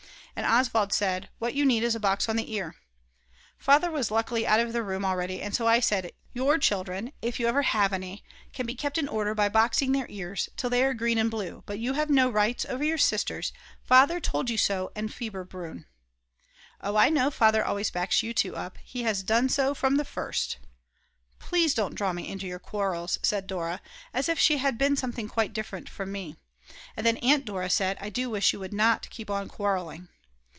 And Oswald said: "What you need is a box on the ear," Father was luckily out of the room already and so I said: "Your children, if you ever have any, can be kept in order by boxing their ears till they are green and blue, but you have no rights over your sisters, Father told you so in Fieberbrunn." "Oh, I know Father always backs you two up, he has done so from the first." "Please don't draw me into your quarrels," said Dora, as if she had been something quite different from me. And then Aunt Dora said: "I do wish you would not keep on quarreling."